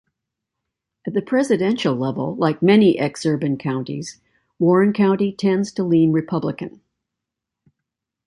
At the presidential level, like many exurban counties, Warren County tends to lean Republican.